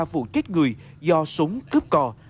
vụ chết người do súng cướp cò